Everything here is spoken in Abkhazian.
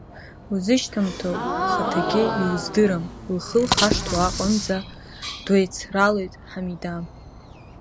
Узышьҭамҭоу ухаҭагьы иуздырам, лхы лхашҭуа аҟынӡа дҩеицралеит Ҳамида.